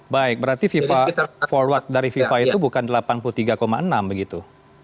baik berarti fifa forward dari fifa itu bukan delapan puluh tiga enam begitu